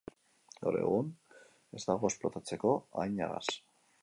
Gaur egun ez dago esplotatzeko haina gas.